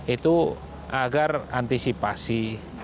itu agar antisipasi